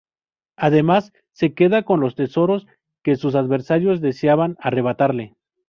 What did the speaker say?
Además, se queda con los tesoros que sus adversarios deseaban arrebatarle.